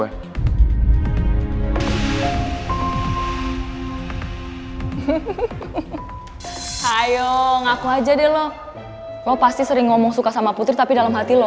hai hehehe hai hayo ngaku aja deh lo lo pasti sering ngomong suka sama putri tapi dalam hati lo